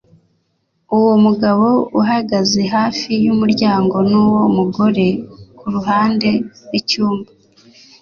Uwo mugabo uhagaze hafi yumuryango nuwo mugore kuruhande rwicyumba